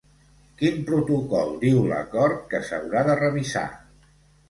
Quin protocol diu l'acord que s'haurà de revisar?